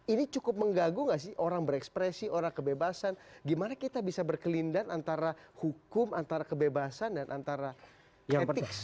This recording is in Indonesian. ini cukup menggaguh nggak sih orang berekspresi orang kebebasan gimana kita bisa berkelindahan antara hukum antara kebebasan dan antara etik